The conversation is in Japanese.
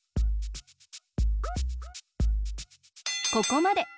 ここまで！